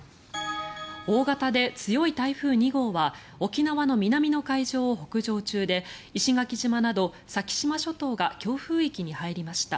大型で強い台風２号は沖縄の南の海上を北上中で石垣島など先島諸島が強風域に入りました。